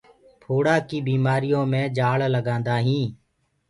ڦوڙآ ڪي بيمآريو مي جآݪ لگآندآ تآ۔